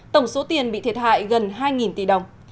tổng số tiền bị thiệt hại gần hai tỷ đồng